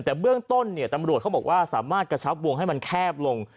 แต่เบื้องต้นเนี่ยตำรวจเขาบอกว่าสามารถกระชับวงให้มันแคบลง